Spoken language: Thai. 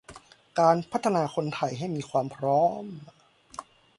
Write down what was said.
การพัฒนาคนไทยให้มีความพร้อม